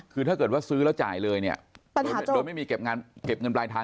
คือถ้าเกิดว่าซื้อแล้วจ่ายเลยเนี่ยโดยไม่มีเก็บเงินปลายทาง